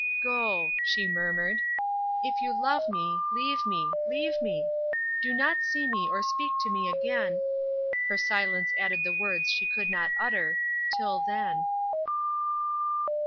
"Go!" she murmured. "If you love me, leave me leave me! Do not see me or speak to me again " her silence added the words she could not utter, "till then."